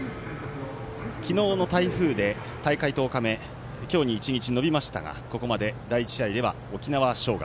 昨日の台風で、大会１０日目今日に１日延びましたがここまで第１試合では沖縄尚学。